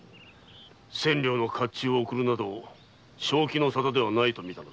千両の甲冑を贈るなど正気の沙汰ではないとみたのだ。